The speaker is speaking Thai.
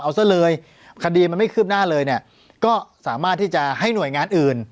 เอาซะเลยคดีมันไม่คืบหน้าเลยเนี่ยก็สามารถที่จะให้หน่วยงานอื่น